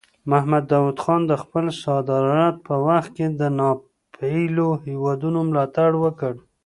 محمد داود خان د خپل صدارت په وخت کې د ناپېیلو هیوادونو ملاتړ وکړ.